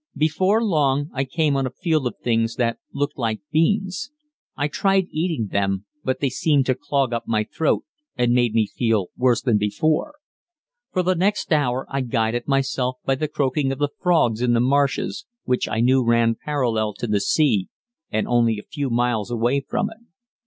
Before long I came on a field of things that looked like beans. I tried eating them, but they seemed to clog up my throat and made me feel worse than before. For the next hour I guided myself by the croaking of the frogs in the marshes, which I knew ran parallel to the sea and only a few miles away from it.